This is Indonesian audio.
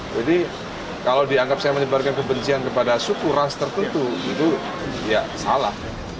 kalau dianggap saya menyebarkan kebencian kepada suku ras tertentu itu ya salah